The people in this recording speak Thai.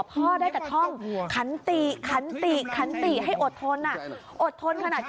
พ่อได้กระท่องขันตีให้อดทนอดทนขนาดที่ว่าเมื่อกี้